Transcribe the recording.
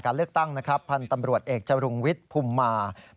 กรณีนี้ทางด้านของประธานกรกฎาได้ออกมาพูดแล้ว